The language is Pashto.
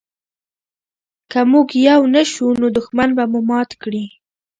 که موږ یو نه شو نو دښمن به مو مات کړي.